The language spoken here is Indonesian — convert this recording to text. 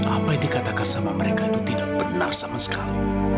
apa yang dikatakan sama mereka itu tidak benar sama sekali